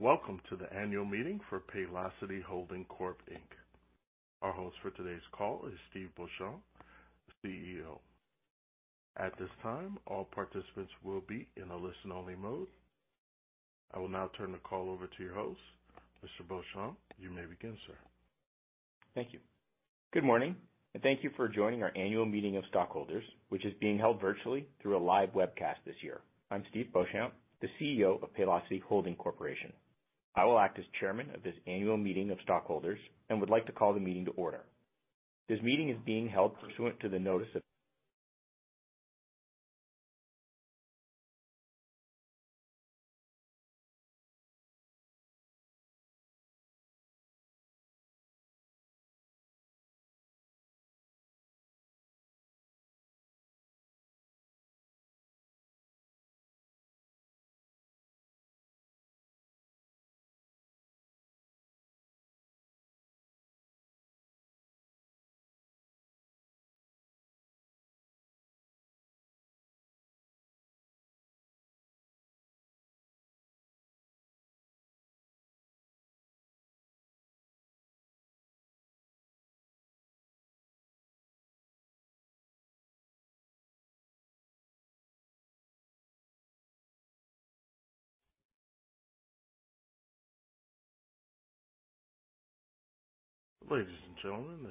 Welcome to the annual meeting for Paylocity Holding Corporation. Our host for today's call is Steve Beauchamp, CEO. At this time, all participants will be in a listen-only mode. I will now turn the call over to your host. Mr. Beauchamp, you may begin, sir. Thank you. Good morning, and thank you for joining our annual meeting of stockholders, which is being held virtually through a live webcast this year. I'm Steve Beauchamp, the CEO of Paylocity Holding Corporation. I will act as chairman of this annual meeting of stockholders and would like to call the meeting to order. This meeting is being held pursuant to the Notice of Internet Availability.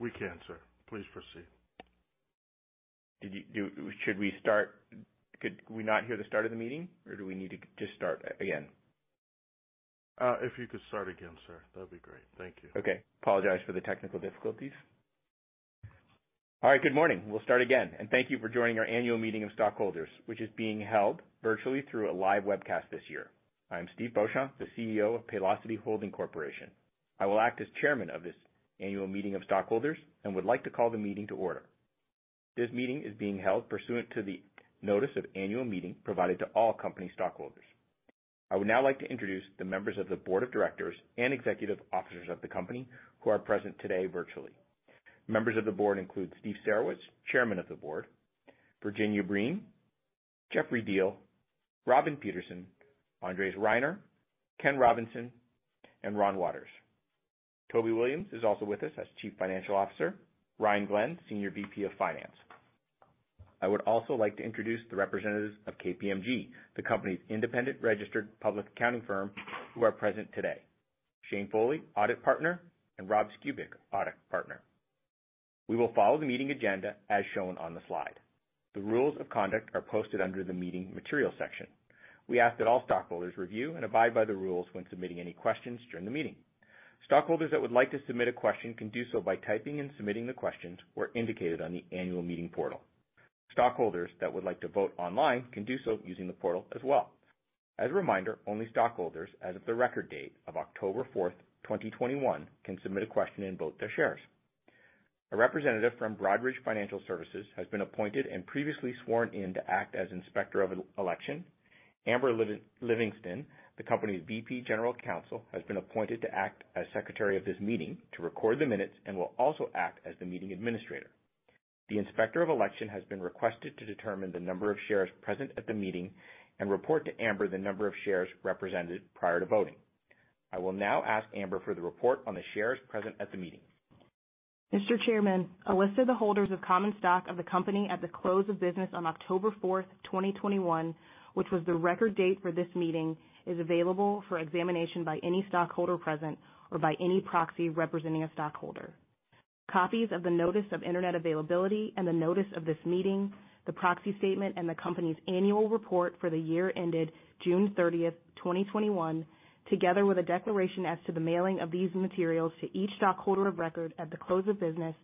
We can, sir. Please proceed. Should we start? Could we not hear the start of the meeting, or do we need to just start again? If you could start again, sir, that'd be great. Thank you. Okay. Apologize for the technical difficulties. All right. Good morning. We'll start again. Thank you for joining our annual meeting of stockholders, which is being held virtually through a live webcast this year. I'm Steve Beauchamp, the CEO of Paylocity Holding Corporation. I will act as Chairman of this annual meeting of stockholders and would like to call the meeting to order. This meeting is being held pursuant to the notice of annual meeting provided to all company stockholders. I would now like to introduce the members of the board of directors and executive officers of the company who are present today virtually. Members of the board include Steve Sarowitz, Chairman of the Board, Virginia Breen, Jeffrey Diehl, Robin Pederson, Andres Reiner, Ken Robinson, and Ron Waters. Toby Williams is also with us as Chief Financial Officer. Ryan Glenn, Senior VP of Finance. I would also like to introduce the representatives of KPMG, the company's independent registered public accounting firm, who are present today. Shane Foley, Audit Partner, and Rob Skubic, Audit Partner. We will follow the meeting agenda as shown on the slide. The rules of conduct are posted under the Meeting Materials section. We ask that all stockholders review and abide by the rules when submitting any questions during the meeting. Stockholders that would like to submit a question can do so by typing and submitting the questions where indicated on the annual meeting portal. Stockholders that would like to vote online can do so using the portal as well. As a reminder, only stockholders as of the record date of October 4, 2021 can submit a question and vote their shares. A representative from Broadridge Financial Solutions has been appointed and previously sworn in to act as inspector of election. Amber Livingston, the company's VP General Counsel, has been appointed to act as secretary of this meeting to record the minutes and will also act as the meeting administrator. The inspector of election has been requested to determine the number of shares present at the meeting and report to Amber the number of shares represented prior to voting. I will now ask Amber for the report on the shares present at the meeting. Mr. Chairman, a list of the holders of common stock of the company at the close of business on October 4, 2021, which was the record date for this meeting, is available for examination by any stockholder present or by any proxy representing a stockholder. Copies of the Notice of Internet Availability and the notice of this meeting, the proxy statement, and the company's annual report for the year ended June 30, 2021, together with a declaration as to the mailing of these materials to each stockholder of record at the close of business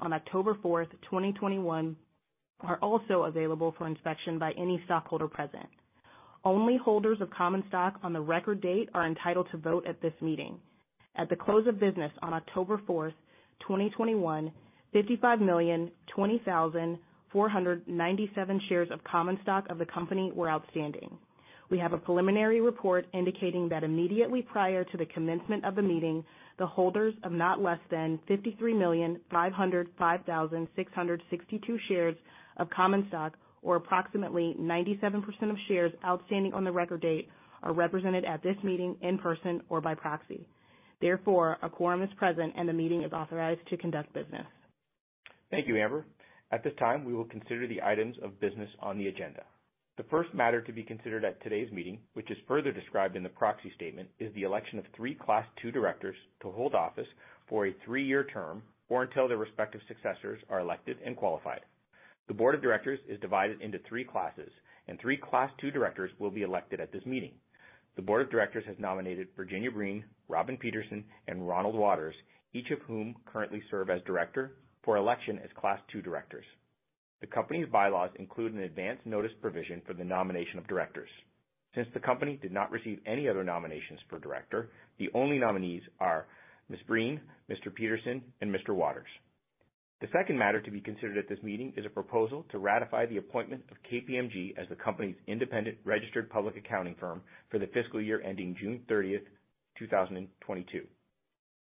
on October 4, 2021, are also available for inspection by any stockholder present. Only holders of common stock on the record date are entitled to vote at this meeting. At the close of business on October 4, 2021, 55,020,497 shares of common stock of the company were outstanding. We have a preliminary report indicating that immediately prior to the commencement of the meeting, the holders of not less than 53,505,662 shares of common stock or approximately 97% of shares outstanding on the record date are represented at this meeting in person or by proxy. Therefore, a quorum is present, and the meeting is authorized to conduct business. Thank you, Amber. At this time, we will consider the items of business on the agenda. The first matter to be considered at today's meeting, which is further described in the proxy statement, is the election of three Class II directors to hold office for a three-year term or until their respective successors are elected and qualified. The board of directors is divided into three classes, and three Class II directors will be elected at this meeting. The board of directors has nominated Virginia Breen, Robin Pederson, and Ronald Waters, each of whom currently serve as director for election as Class II directors. The company's bylaws include an advance notice provision for the nomination of directors. Since the company did not receive any other nominations for director, the only nominees are Ms. Breen, Mr. Pederson, and Mr. The second matter to be considered at this meeting is a proposal to ratify the appointment of KPMG as the company's independent registered public accounting firm for the fiscal year ending June 30, 2022.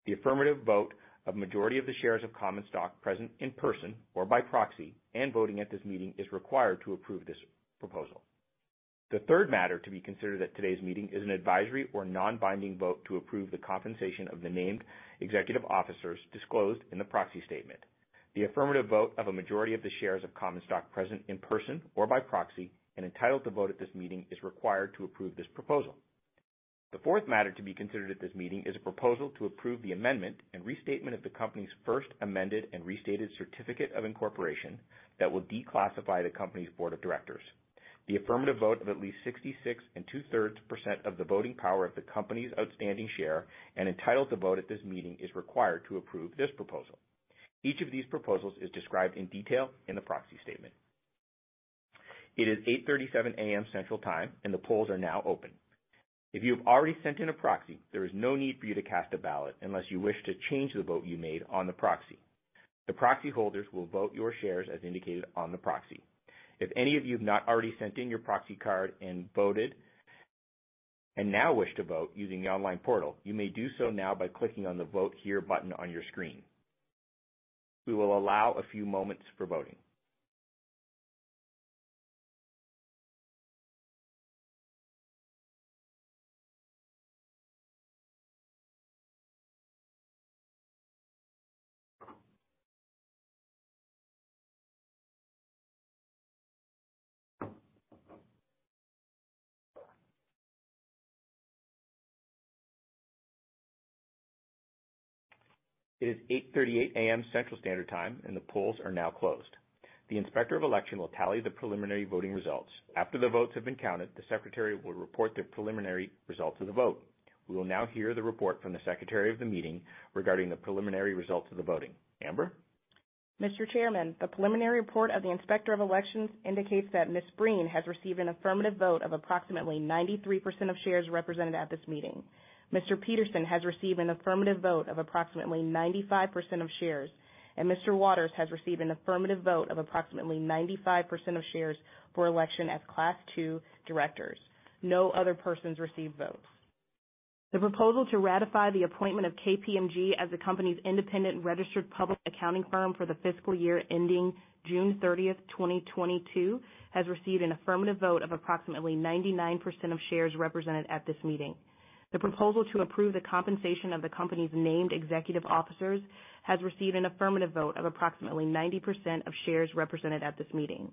The affirmative vote of a majority of the shares of common stock present in person or by proxy and voting at this meeting is required to approve this proposal. The third matter to be considered at today's meeting is an advisory or non-binding vote to approve the compensation of the named executive officers disclosed in the proxy statement. The affirmative vote of a majority of the shares of common stock present in person or by proxy, and entitled to vote at this meeting, is required to approve this proposal. The fourth matter to be considered at this meeting is a proposal to approve the amendment and restatement of the company's first amended and restated certificate of incorporation that will declassify the company's board of directors. The affirmative vote of at least 66⅔% of the voting power of the company's outstanding shares entitled to vote at this meeting is required to approve this proposal. Each of these proposals is described in detail in the proxy statement. It is 8:37 A.M. Central Time and the polls are now open. If you have already sent in a proxy, there is no need for you to cast a ballot unless you wish to change the vote you made on the proxy. The proxy holders will vote your shares as indicated on the proxy. If any of you have not already sent in your proxy card and voted, and now wish to vote using the online portal, you may do so now by clicking on the Vote Here button on your screen. We will allow a few moments for voting. It is 8:38 A.M. Central Standard Time and the polls are now closed. The inspector of election will tally the preliminary voting results. After the votes have been counted, the secretary will report the preliminary results of the vote. We will now hear the report from the secretary of the meeting regarding the preliminary results of the voting. Amber? Mr. Chairman, the preliminary report of the inspector of elections indicates that Ms. Breen has received an affirmative vote of approximately 93% of shares represented at this meeting. Mr. Pederson has received an affirmative vote of approximately 95% of shares, and Mr. Waters has received an affirmative vote of approximately 95% of shares for election as Class II directors. No other persons received votes. The proposal to ratify the appointment of KPMG as the company's independent registered public accounting firm for the fiscal year ending June 30, 2022, has received an affirmative vote of approximately 99% of shares represented at this meeting. The proposal to approve the compensation of the company's named executive officers has received an affirmative vote of approximately 90% of shares represented at this meeting.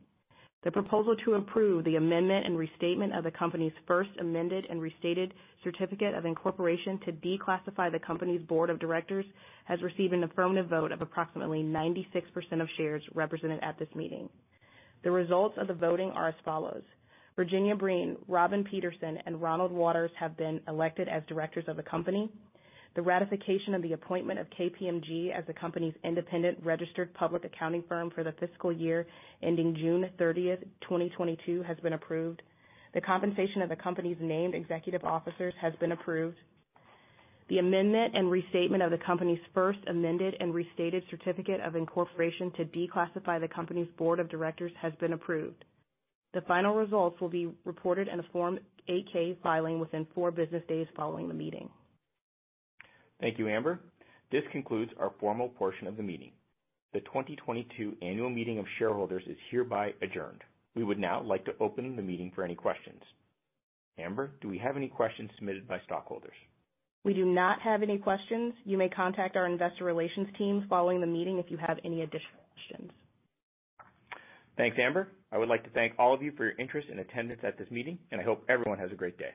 The proposal to approve the amendment and restatement of the company's first amended and restated certificate of incorporation to declassify the company's board of directors has received an affirmative vote of approximately 96% of shares represented at this meeting. The results of the voting are as follows. Virginia Breen, Robin Pederson, and Ronald Waters have been elected as directors of the company. The ratification of the appointment of KPMG as the company's independent registered public accounting firm for the fiscal year ending June 30, 2022, has been approved. The compensation of the company's named executive officers has been approved. The amendment and restatement of the company's first amended and restated certificate of incorporation to declassify the company's board of directors has been approved. The final results will be reported in a Form 8-K, filing within four business days following the meeting. Thank you, Amber. This concludes our formal portion of the meeting. The 2022 annual meeting of shareholders is hereby adjourned. We would now like to open the meeting for any questions. Amber, do we have any questions submitted by stockholders? We do not have any questions. You may contact our investor relations team following the meeting if you have any additional questions. Thanks, Amber. I would like to thank all of you for your interest and attendance at this meeting, and I hope everyone has a great day.